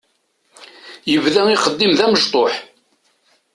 Yebda ixeddim d amecṭuḥ.